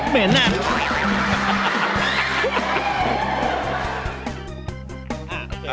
เหม็นอ่ะ